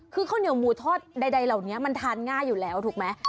คือข้าวเหนียวหมูทอดใดเหล่านี้มันทานง่ายอยู่แล้วถูกไหม